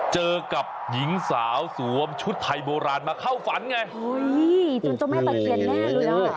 เจอกับหญิงสาวสวมชุดไทยโบราณมาเข้าฝันไงโอ้โหจนจะไม่ประเทียนแน่เลย